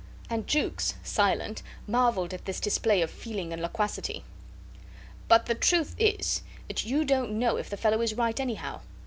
And Jukes, silent, marvelled at this display of feeling and loquacity. "But the truth is that you don't know if the fellow is right, anyhow.